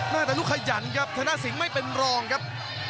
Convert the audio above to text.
น่าแต่ลูกขยันครับถ้าหน้าซิงค์ไม่เป็นรองครับ